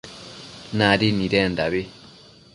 Nadi nidendabi